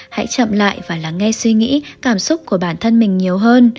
hãy chậm lại và lắng nghe suy nghĩ cảm xúc của bản thân mình nhiều hơn